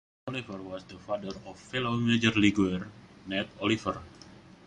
Oliver was the father of fellow major leaguer Nate Oliver.